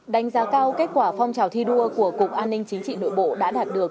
đánh giá cao kết quả phong trào thi đua của cục an ninh chính trị nội bộ đã đạt được